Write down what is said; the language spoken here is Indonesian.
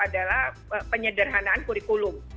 adalah penyederhanaan kurikulum